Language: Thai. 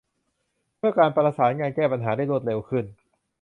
เพื่อการประสานงานแก้ปัญหาได้รวดเร็วขึ้น